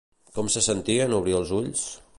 Com es sentí en obrir els ulls?